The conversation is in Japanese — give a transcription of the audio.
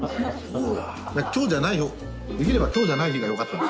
今日じゃない方できれば今日じゃない日がよかったんです。